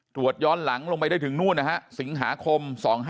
ย้อนหลังลงไปได้ถึงนู่นนะฮะสิงหาคม๒๕๕๙